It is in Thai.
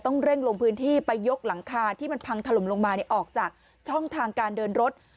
เร่งลงพื้นที่ไปยกหลังคาที่มันพังถล่มลงมาออกจากช่องทางการเดินรถ